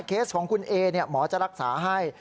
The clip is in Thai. เคสของคุณเอหมอจะรักษาให้